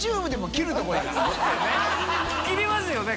切りますよね